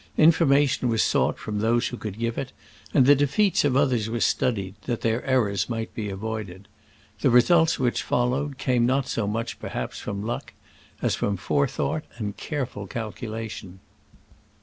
Information was sought from those who could give it, and the defeats of others were studied, that their errors might be avoided. The results which followed came not so much, perhaps, from luck, as from forethought and care ful calculation.